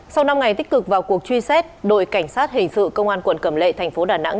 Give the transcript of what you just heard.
sau năm ngày tích cực vào cuộc truy xét đội cảnh sát hình sự công an quận cẩm lệ tp đà nẵng